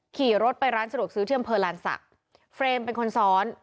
ขี่รถไปร้านสะดวกซื้อเที่ยวเผอร์ลันซะเฟรมเป็นคนซ้อน